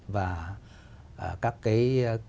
và các cái